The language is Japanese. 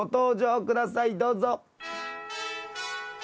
どうぞ！